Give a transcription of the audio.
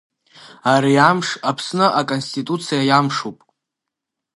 Ари амш Аԥсны Аконституциа иамшуп.